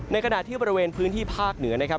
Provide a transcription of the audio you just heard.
ขณะที่บริเวณพื้นที่ภาคเหนือนะครับ